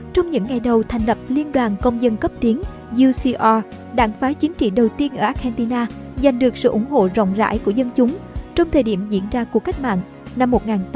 trong những ngày đầu thành lập liên đoàn công dân cấp tiến ucr đảng phái chính trị đầu tiên ở argentina giành được sự ủng hộ rộng rãi của dân chúng trong thời điểm diễn ra cuộc cách mạng năm một nghìn chín trăm bốn mươi năm